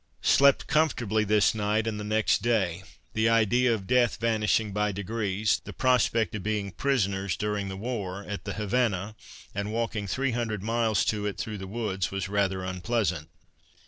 Slept comfortably this night and the next day, the idea of death vanishing by degrees, the prospect of being prisoners, during the war, at the Havana, and walking three hundred miles to it through the woods, was rather unpleasant.